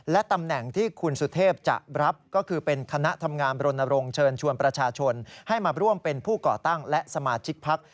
และตำแหน่งที่คุณสุเทพจะรับก็คือเป็นคณะทำงานบรณรงค์เชิญชวนประชาชนให้มาร่วมเป็นผู้ก่อตั้งและสมาชิกพัก